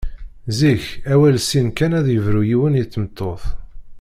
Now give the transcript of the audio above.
Zik, awal sin kan ad yebru yiwen i tmeṭṭut.